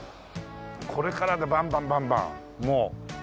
これからだバンバンバンバンもう。